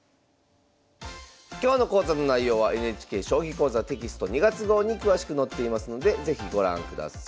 今日の講座の内容はＮＨＫ「将棋講座」テキスト２月号に詳しく載っていますので是非ご覧ください。